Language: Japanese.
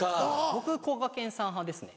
僕こがけんさん派ですね